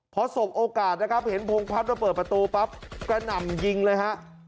พอสบโอกาสนะครับเห็นพงพัฒน์มาเปิดประตูปั๊บกระหน่ำยิงเลยฮะ